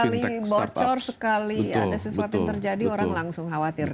karena sekali bocor sekali ada sesuatu yang terjadi orang langsung khawatirkan